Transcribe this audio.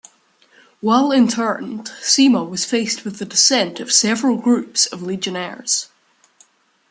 While interned, Sima was faced with the dissent of several groups of Legionnaires.